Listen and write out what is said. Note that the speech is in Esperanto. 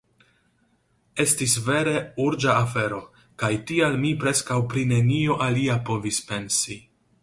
Estis vere urĝa afero, kaj tial mi preskaŭ pri nenio alia povis pensi.